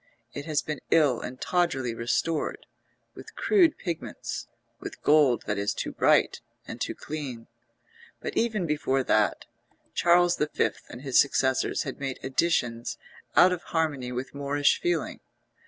It has been ill and tawdrily restored, with crude pigments, with gold that is too bright and too clean; but even before that, Charles V. and his successors had made additions out of harmony with Moorish feeling.